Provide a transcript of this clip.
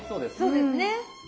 そうですね。